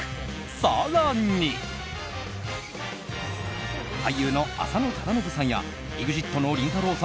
更に、俳優の浅野忠信さんやＥＸＩＴのりんたろー。